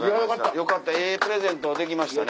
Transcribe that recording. よかったええプレゼントできましたね。